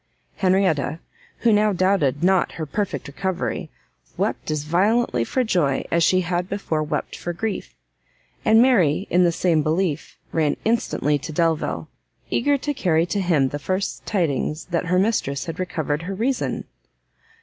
Henrietta, who now doubted not her perfect recovery, wept as violently for joy as she had before wept for grief; and Mary, in the same belief, ran instantly to Delvile, eager to carry to him the first tidings that her mistress had recovered her reason.